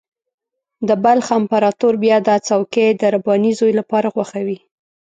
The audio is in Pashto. د بلخ امپراطور بیا دا څوکۍ د رباني زوی لپاره خوښوي.